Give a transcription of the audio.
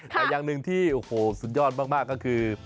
แต่อย่างหนึ่งที่โอ้โหสุดยอดมากก็คือ